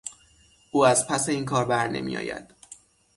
او از پس این کار برنمیآید.